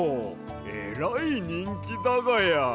えらいにんきだがや！